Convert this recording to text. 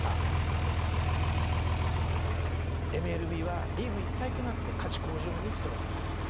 ＭＬＢはリーグ一体となって価値向上に努めてきました。